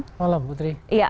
selamat malam putri